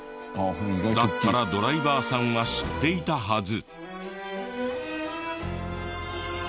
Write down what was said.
だったらドライバーさんは知っていたはず。